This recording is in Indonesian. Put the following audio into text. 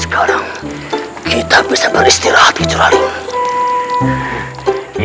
sekarang kita bisa beristirahat guci rally